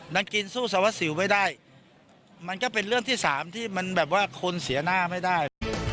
นางกินสู้สวัสสิวไม่ได้มันก็เป็นเรื่องที่สามที่มันแบบว่าคนเสียหน้าไม่ได้